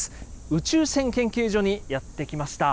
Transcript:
宇宙線研究所にやって来ました。